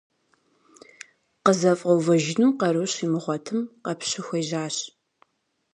КъызэфӀэувэжыну къару щимыгъуэтым, къэпщу хуежьащ.